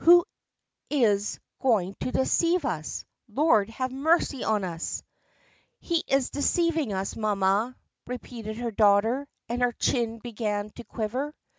"Who is going to deceive us? Lord, have mercy on us!" "He is deceiving us, mamma!" repeated her daughter, and her chin began to quiver.